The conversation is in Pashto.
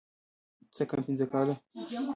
څه کم پينځه کاله.